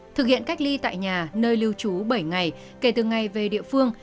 thực hiện cách ly tại nhà nơi lưu trú bảy ngày kể từ ngày về địa phương